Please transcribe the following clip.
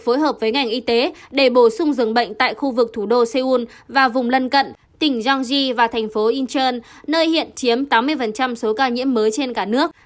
phối hợp với ngành y tế để bổ sung dường bệnh tại khu vực thủ đô seoul và vùng lân cận tỉnh jeanji và thành phố incheon nơi hiện chiếm tám mươi số ca nhiễm mới trên cả nước